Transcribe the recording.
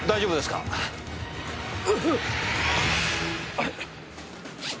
あれ？